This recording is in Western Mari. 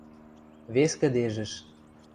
Вес кӹдежӹш.